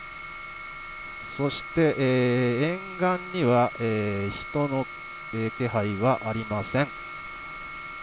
そして沿岸には人の気配はありません。